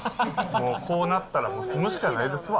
もうこうなったら、住むしかないですわ。